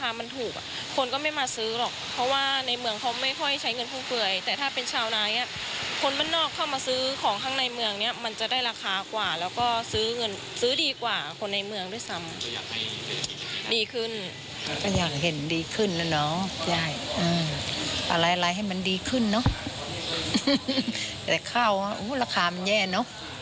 อย่างไรของการประกันสุขภาพอยากให้เป็นอย่างไรของการประกันสุขภาพอยากให้เป็นอย่างไรของการประกันสุขภาพอยากให้เป็นอย่างไรของการประกันสุขภาพอยากให้เป็นอย่างไรของการประกันสุขภาพอยากให้เป็นอย่างไรของการประกันสุขภาพอยากให้เป็นอย่างไรของการประกันสุขภาพอยากให้เป็นอย่างไรของการประกันสุขภาพอยากให้เป็นอย่างไรข